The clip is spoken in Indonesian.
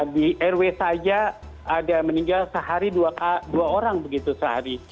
di rw saja ada meninggal sehari dua orang begitu sehari